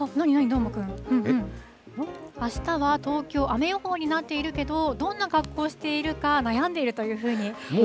どーもくん、あしたは東京、雨予報になっているけど、どんな格好していくか、悩んでいるというふうに。